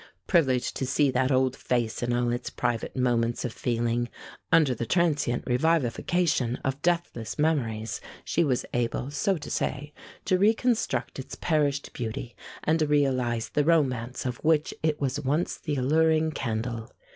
Privileged to see that old face in all its private moments of feeling, under the transient revivification of deathless memories, she was able, so to say, to reconstruct its perished beauty, and realize the romance of which it was once the alluring candle.